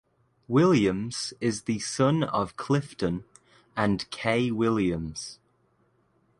Williams is the son of Clifton and Kay Williams.